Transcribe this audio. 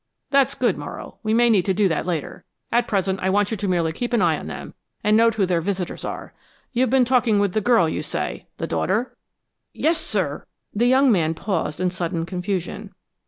"That's good, Morrow. We may need to do that later. At present I want you merely to keep an eye on them, and note who their visitors are. You've been talking with the girl you say the daughter?" "Yes, sir " The young man paused in sudden confusion.